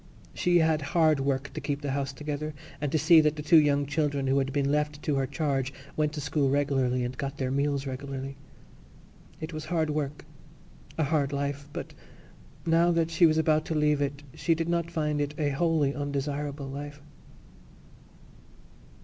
She had hard work to keep the house together and to see that the two young children who had been left to her charge went to school regularly and got their meals regularly. It was hard work—a hard life—but now that she was about to leave it she did not find it a wholly undesirable life.